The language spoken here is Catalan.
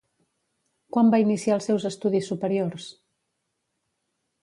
Quan va iniciar els seus estudis superiors?